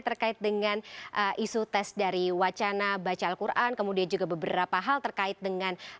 terkait dengan isu tes dari wacana baca al quran kemudian juga beberapa hal terkait dengan